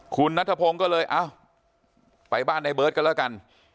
คุณนัทพงศ์ก็เลยเอ้าไปบ้านในเบิร์ตกันแล้วกัน